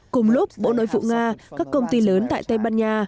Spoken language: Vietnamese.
cùng lúc bộ nội vụ nga các công ty lớn tại tây ban nha